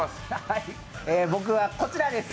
僕はこちらです。